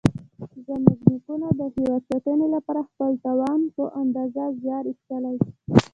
زموږ نیکونو د هېواد ساتنې لپاره خپل توان په اندازه زیار ایستلی.